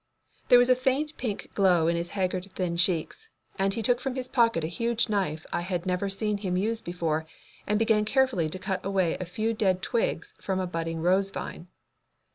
There was a faint pink glow in his haggard, thin cheeks, and he took from his pocket a huge knife I had never seen him use before and began carefully to cut away a few dead twigs from a budding rose vine.